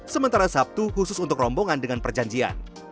sementara sabtu khusus untuk rombongan dengan perjanjian